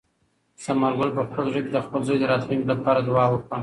ثمر ګل په خپل زړه کې د خپل زوی د راتلونکي لپاره دعا وکړه.